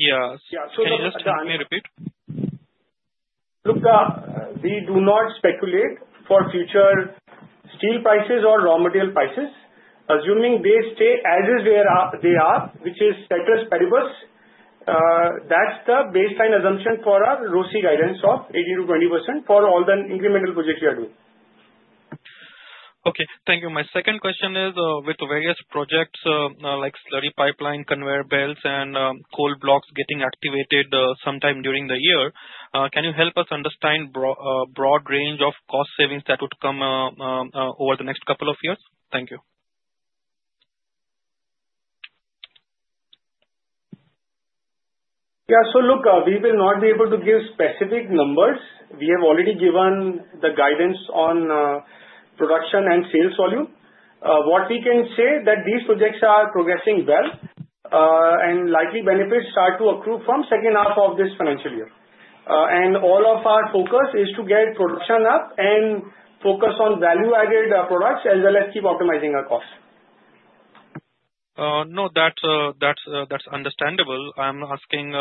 S20: Yeah.
S4: Yeah. So the.
S20: Can you just hear me repeat?
S4: Look, we do not speculate for future steel prices or raw material prices. Assuming they stay as they are, which is conservative, that's the baseline assumption for our ROCE guidance of 18%-20% for all the incremental projects we are doing.
S20: Okay. Thank you. My second question is, with various projects like slurry pipeline, conveyor belts, and Coal Blocks getting activated sometime during the year, can you help us understand broad range of cost savings that would come over the next couple of years? Thank you.
S4: Yeah. So look, we will not be able to give specific numbers. We have already given the guidance on production and sales volume. What we can say is that these projects are progressing well, and likely benefits start to accrue from the second half of this financial year. And all of our focus is to get production up and focus on value-added products as well as keep optimizing our costs.
S20: No, that's understandable. I'm asking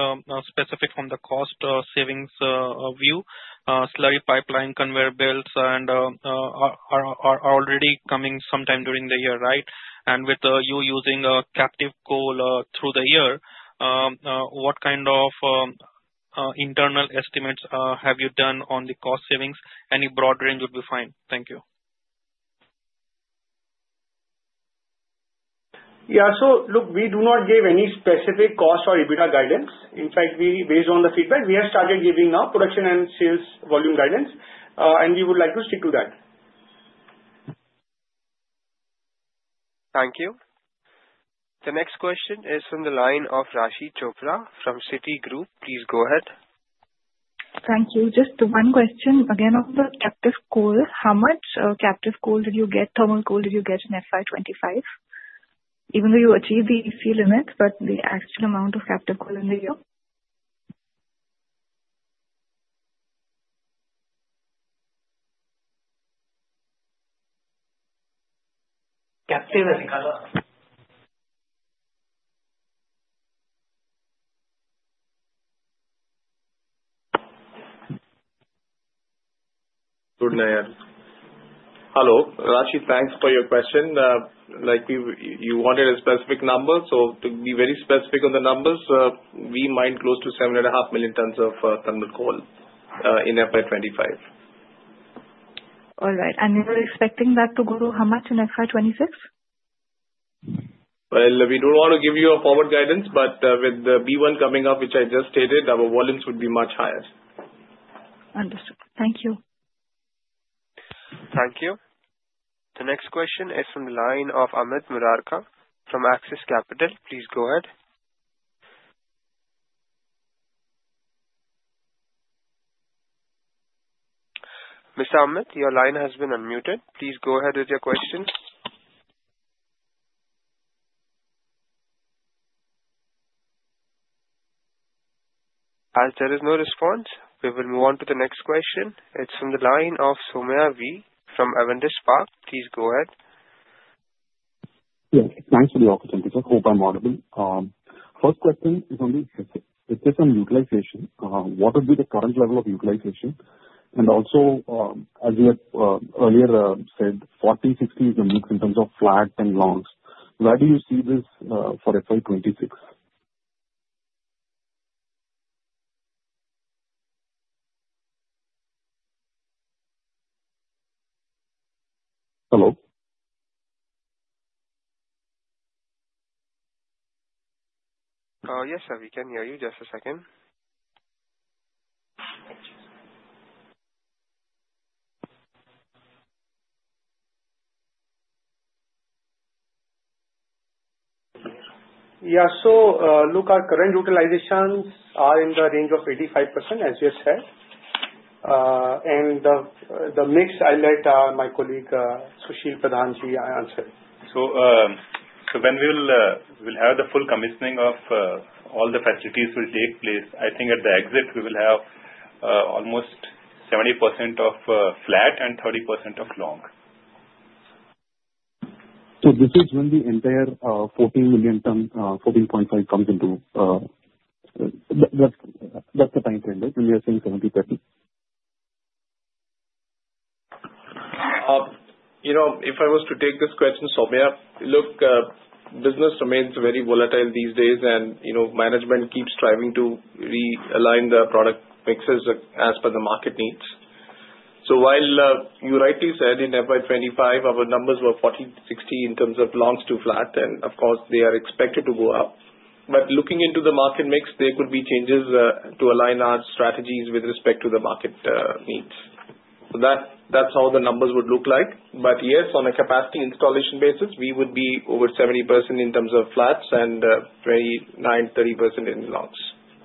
S20: specifically from the cost savings view. Slurry pipeline, conveyor belts, and are already coming sometime during the year, right? And with you using captive coal through the year, what kind of internal estimates have you done on the cost savings? Any broad range would be fine. Thank you.
S4: Yeah. So look, we do not give any specific cost or EBITDA guidance. In fact, based on the feedback, we have started giving our production and sales volume guidance, and we would like to stick to that.
S1: Thank you. The next question is from the line of Raashi Chopra from Citigroup. Please go ahead.
S21: Thank you. Just one question. Again, on the captive coal, how much captive coal did you get? Thermal coal did you get in FY 2025? Even though you achieved the EC limit, but the actual amount of captive coal in the year?
S10: Captive coal.
S7: Good, Nair. Hello. Raashi, thanks for your question. You wanted a specific number, so to be very specific on the numbers, we mine close to 7.5 million tons of thermal coal in FY 2025.
S21: All right, and you were expecting that to go to how much in FY 2026?
S7: We don't want to give you a forward guidance, but with the B1 coming up, which I just stated, our volumes would be much higher.
S21: Understood. Thank you.
S1: Thank you. The next question is from the line of Amit Murarka from Axis Capital. Please go ahead. Mr. Amit, your line has been unmuted. Please go ahead with your question. As there is no response, we will move on to the next question. It's from the line of Somaiah V from Avendus Spark. Please go ahead.
S22: Yes. Thanks for the opportunity. Hope I'm audible. First question is on the efficient utilization. What would be the current level of utilization? And also, as you had earlier said, 40-60 is the mix in terms of flats and longs. Where do you see this for FY 2026? Hello.
S1: Yes, sir. We can hear you. Just a second.
S4: Yeah. So look, our current utilizations are in the range of 85%, as you said. And the mix, I'll let my colleague Sushil Pradhanji answer.
S12: So when we'll have the full commissioning of all the facilities will take place, I think at the exit, we will have almost 70% of flat and 30% of long.
S22: This is when the entire 14 million ton, 14.5 million comes into. That's the time frame, right? When we are saying 70-30?
S7: If I was to take this question, Somaiah, look, business remains very volatile these days, and management keeps striving to realign the product mixes as per the market needs. So while you rightly said in FY 2025, our numbers were 40-60 in terms of longs to flat, and of course, they are expected to go up. But looking into the market mix, there could be changes to align our strategies with respect to the market needs. So that's how the numbers would look like. But yes, on a capacity installation basis, we would be over 70% in terms of flats and 29%-30% in longs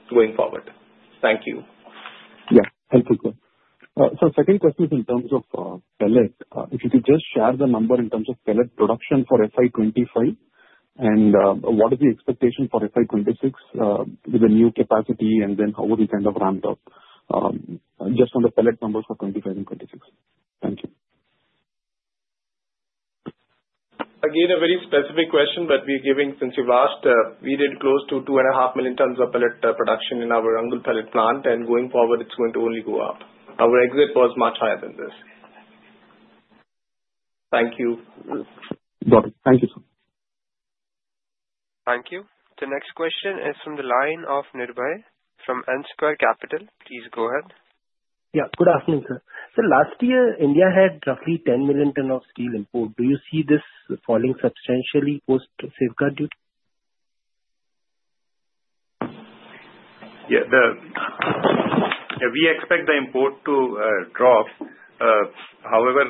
S7: going forward. Thank you.
S22: Yeah. Thank you, sir. So second question is in terms of pellet. If you could just share the number in terms of pellet production for FY 2025, and what is the expectation for FY 2026 with the new capacity, and then how would it kind of ramp up? Just on the pellet numbers for 2025 and 2026. Thank you.
S7: Again, a very specific question, but since you've asked, we did close to 2.5 million tons of pellet production in our Angul pellet plant, and going forward, it's going to only go up. Our exit was much higher than this. Thank you.
S22: Got it. Thank you, sir.
S1: Thank you. The next question is from the line of Nirbhay from N Square Capital. Please go ahead.
S23: Yeah. Good afternoon, sir. So last year, India had roughly 10 million tons of steel import. Do you see this falling substantially post safeguard duty?
S12: Yeah. We expect the import to drop. However,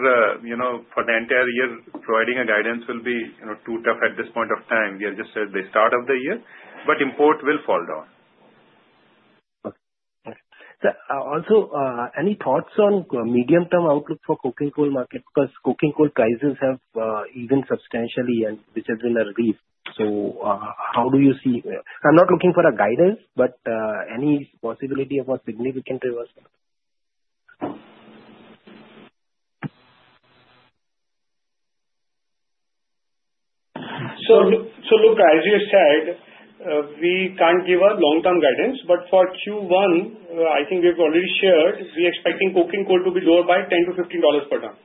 S12: for the entire year, providing a guidance will be too tough at this point of time. We have just said the start of the year, but import will fall down.
S23: Also, any thoughts on medium-term outlook for coking coal market? Because coking coal prices have fallen substantially, which has been a relief. So how do you see? I'm not looking for guidance, but any possibility of a significant reversal?
S4: So look, as you said, we can't give a long-term guidance. But for Q1, I think we've already shared, we're expecting coking coal to be lower by $10-$15 per ton.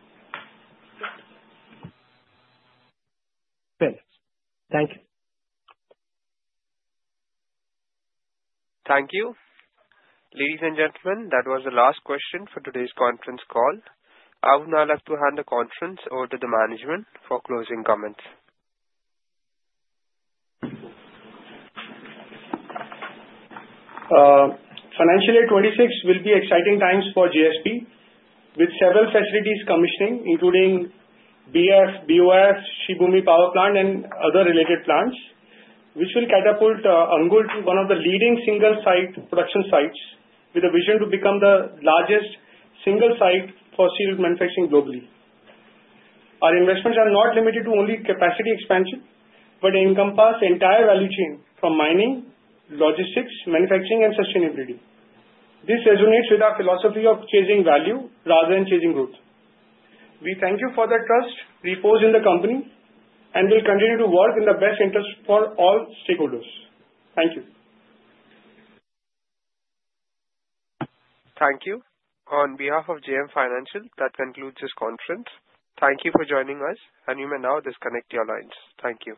S23: Perfect. Thank you.
S1: Thank you. Ladies and gentlemen, that was the last question for today's conference call. I would now like to hand the conference over to the management for closing comments.
S4: Financial year 26 will be exciting times for JSP, with several facilities commissioning, including BF, BOF, Shubhalakshmi Power Plant, and other related plants, which will catapult Angul to one of the leading single-site production sites with a vision to become the largest single-site steel manufacturing globally. Our investments are not limited to only capacity expansion, but encompass the entire value chain from mining, logistics, manufacturing, and sustainability. This resonates with our philosophy of chasing value rather than chasing growth. We thank you for the trust, reposed in the company, and will continue to work in the best interest for all stakeholders. Thank you.
S1: Thank you. On behalf of JM Financial, that concludes this conference. Thank you for joining us, and you may now disconnect your lines. Thank you.